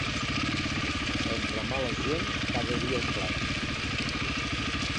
Entre mala gent, cada dia un plet.